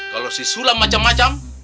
kalo si sulam macem macem